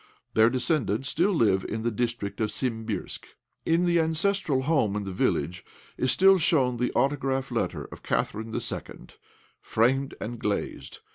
Their descendants still live in the district of Simbirsk. In the ancestral home in the village of is still shown the autograph letter of Catherine II., framed and glazed.